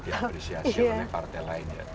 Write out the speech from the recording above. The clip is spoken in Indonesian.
ya apresiasi oleh partai lainnya